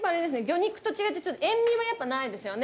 魚肉と違って塩味はやっぱないですよね。